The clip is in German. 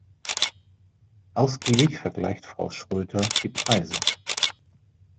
Ausgiebig vergleicht Frau Schröter die Preise.